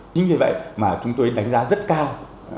chính vì vậy mà chúng tôi đánh giá rất cao